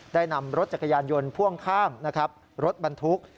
ได้นำรถจักรยานยนต์พ่วงข้างนะครับรถบรรทุก